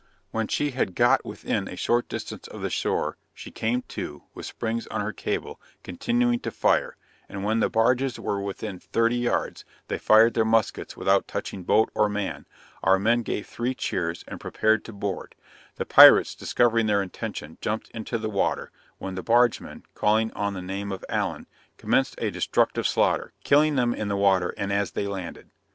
When she had got within a short distance of the shore, she came to, with springs on her cable, continuing to fire; and when the barges were within 30 yards, they fired their muskets without touching boat or man; our men gave three cheers, and prepared to board; the pirates, discovering their intention, jumped into the water, when the bargemen, calling on the name of 'Allen,' commenced a destructive slaughter, killing them in the water and as they landed.